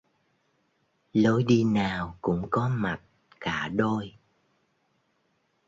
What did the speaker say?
Lối đi nào cũng có mặt cả đôi